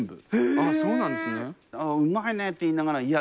ああうまいねって言いながらいや